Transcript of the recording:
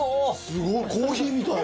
すごいコーヒーみたい。